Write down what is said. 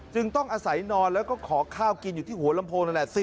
ต้องอาศัยนอนแล้วก็ขอข้าวกินอยู่ที่หัวลำโพงนั่นแหละ